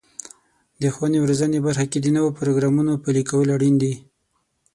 د ښوونې او روزنې برخه کې د نوو پروګرامونو پلي کول اړین دي.